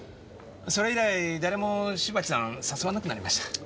それ以来誰も芝木さん誘わなくなりました。